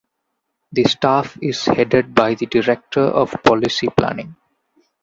The Staff is headed by the Director of Policy Planning.